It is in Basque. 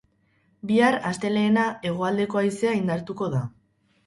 Bihar, astelehena, hegoaldeko haizea indartuko da.